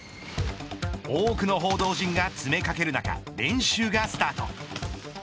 多くの報道陣が詰め掛ける中練習がスタート。